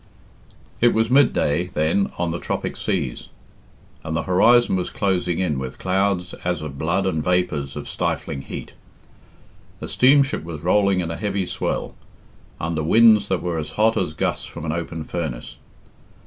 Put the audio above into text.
XVIII. It was midday, then, on the tropic seas, and the horizon was closing in with clouds as of blood and vapours of stifling heat. A steamship was rolling in a heavy swell, under winds that were as hot as gusts from an open furnace.